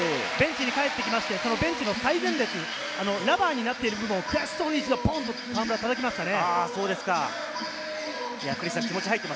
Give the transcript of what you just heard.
ベンチに帰ってきてベンチの最前列、ラバーになっている部分を悔しそうにボンと河村、叩きましたね。